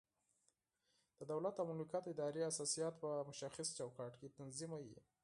د دولت او مملکت ادارې اساسات په مشخص چوکاټ کې تنظیموي.